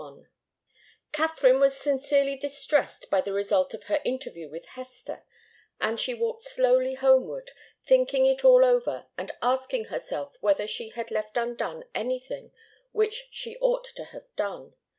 Katharine was sincerely distressed by the result of her interview with Hester, and she walked slowly homeward, thinking it all over and asking herself whether she had left undone anything which she ought to have done.